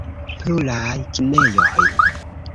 Pluraj kinejoj.